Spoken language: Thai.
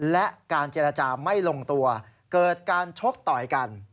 และการเจรจาไม่ลงตัวเกิดการชกต่อยกัน